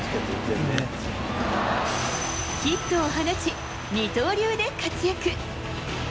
ヒットを放ち、二刀流で活躍。